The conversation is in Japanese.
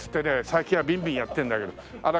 最近はビンビンやってんだけど荒川出身の。